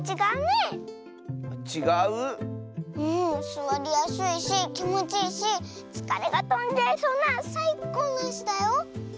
すわりやすいしきもちいいしつかれがとんじゃいそうなさいこうのいすだよ。